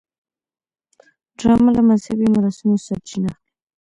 ډرامه له مذهبي مراسمو سرچینه اخلي